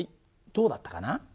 どうだったかな？